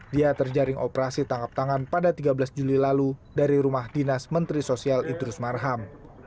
dia terjaring operasi tangkap tangan pada tiga belas juli lalu dari rumah dinas menteri sosial idrus marham